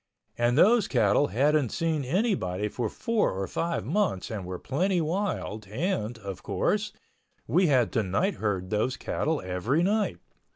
And those cattle hadn't seen anybody for four or five months and were plenty wild and, of course, we had to nightherd those cattle every night.